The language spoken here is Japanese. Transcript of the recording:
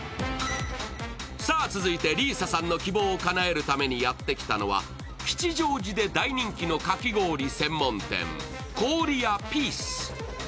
続いて里依紗さんの希望をかなえるためにやってきたのは吉祥寺で大人気のかき氷専門店、氷屋ぴぃす。